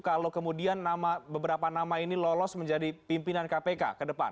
kalau kemudian beberapa nama ini lolos menjadi pimpinan kpk ke depan